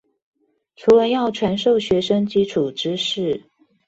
除了要傳授學生基礎知識